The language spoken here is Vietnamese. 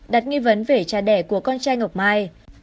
đặt nghi vấn về cha đẻ của con trai ngọc mai